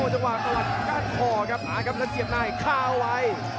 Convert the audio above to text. จังหวังตะวัดกล้านคอครับแล้วเสียบในค่าไว้